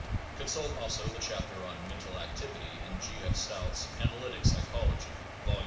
Consult also the chapter on Mental Activity in G. F. Stout s Analytic Psychology, vol.